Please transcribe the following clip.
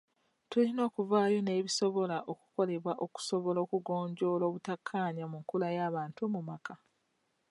Tulina okuvaayo n'ebisola okukolebwa okusobola okugonjoola obutakkaanya mu nkula y'abantu mu maka.